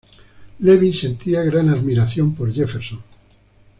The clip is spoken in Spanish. Levy sentía gran admiración por Jefferson.